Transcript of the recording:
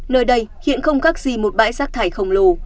nơi đây hiện không khác gì một bãi rác thải khổng lồ